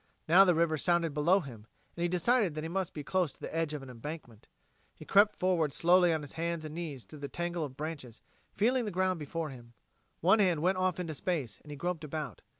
Now the river sounded below him, and he decided that he must be close to the edge of an embankment. He crept forward slowly on his hands and knees through the tangle of branches, feeling the ground before him. One hand went off into space, and he groped about.